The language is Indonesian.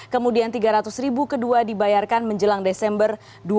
kemudian rp tiga ratus kedua dibayarkan menjelang desember dua ribu dua puluh dua